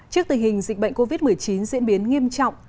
trước tình hình dịch bệnh covid một mươi chín diễn biến nghiêm trọng